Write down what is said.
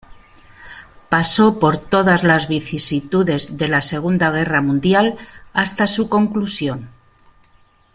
Pasó por todas las vicisitudes de la Segunda Guerra Mundial hasta su conclusión.